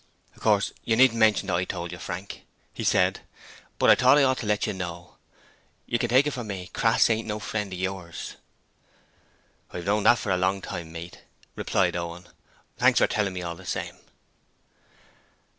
'Of course, you needn't mention that I told you, Frank,' he said, 'but I thought I ought to let you know: you can take it from me, Crass ain't no friend of yours.' 'I've know that for a long time, mate,' replied Owen. 'Thanks for telling me, all the same.'